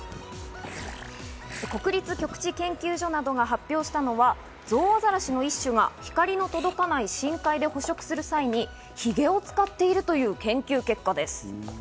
国立極地研究所などが発表したのは、ゾウアザラシの一種が光の届かない深海で捕食する際にヒゲを使っているという研究結果です。